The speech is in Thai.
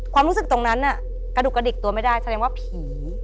ความรู้สึกตรงนั้นน่ะกระดูกกระดิกตัวไม่ได้แสดงว่าผี